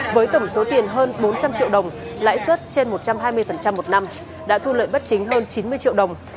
với tổng số tiền hơn bốn trăm linh triệu đồng lãi suất trên một trăm hai mươi một năm đã thu lợi bất chính hơn chín mươi triệu đồng